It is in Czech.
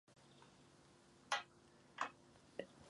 Z každého postoupily první tři dívky do celostátního finále.